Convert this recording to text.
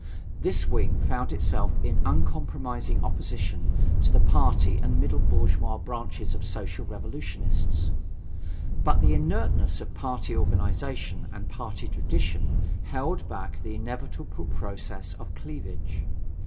This wing found itself in uncompromising opposition to the party and middle bourgeois branches of Social Revolutionists. But the inertness of party organization and party tradition held back the inevitable process of cleavage.